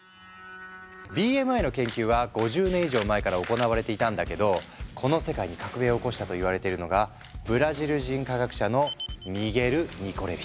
ＢＭＩの研究は５０年以上前から行われていたんだけどこの世界に革命を起こしたといわれているのがブラジル人科学者のミゲル・ニコレリス。